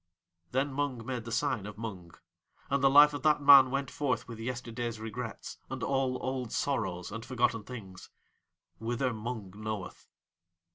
Then Mung made the sign of Mung. And the Life of that man went forth with yesterday's regrets and all old sorrows and forgotten things whither Mung knoweth.